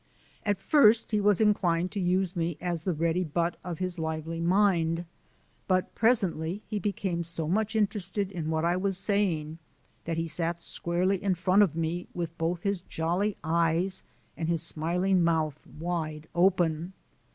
At first he was inclined to use me as the ready butt of his lively mind, but presently he became so much interested in what I was saying that he sat squarely in front of me with both his jolly eyes and his smiling mouth wide open.